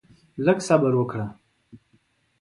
لږ صبر وکړه؛